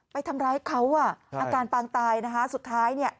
ไปทำร้ายเขาอ่ะอาการปางตายนะคะสุดท้ายเนี่ย